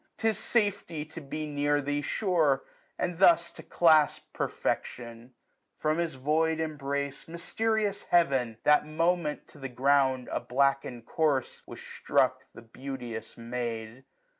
'Tis safety to be near thee sure, and thus " To clasp perfection !*' From his void embrace, 12 14 Mysterious Heaven ! that moment, to the ground, A black.ened corse, was struck the beauteous maid.